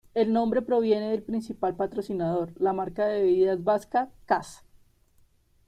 El nombre proviene del principal patrocinador, la marca de bebidas vasca Kas.